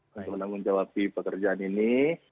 yang menanggung jawab di pekerjaan ini